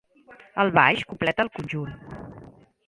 El baix completa el conjunt.